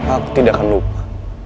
aku tidak akan lupa